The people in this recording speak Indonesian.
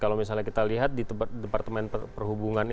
kalau misalnya kita lihat di departemen perhubungan ini